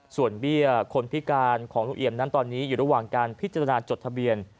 ส่วนเบี้ยคนพิการของลุงเอี่ยมนั้นตอนนี้อยู่ระหว่างการพิจารณาจดทะเบียน